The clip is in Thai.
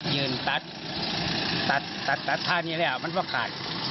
ยืนตัดตัดตัดตัดทานี้แหละอย่างมันบ้างคาด